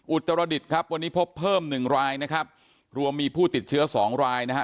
อุตรศิลป์ครับวันนี้พบเพิ่ม๑รายนะครับรวมมีผู้ติดเชื้อ๒รายนะครับ